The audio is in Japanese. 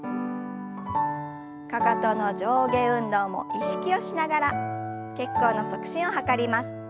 かかとの上下運動も意識をしながら血行の促進を図ります。